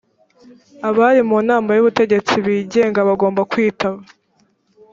abari mu nama y ‘ubutegetsi bigenga bagomba kwitaba